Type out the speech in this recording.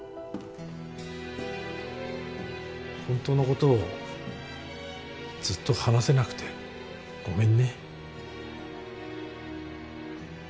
本当のことをずっと話せなくてごめんね。